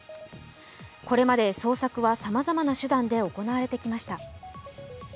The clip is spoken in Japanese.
これまで捜索はさまざまな手段で行われてきました。